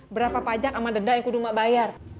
berapa pajak sama denda yang kudu gak bayar